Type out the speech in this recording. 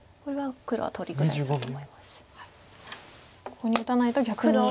ここに打たないと逆に。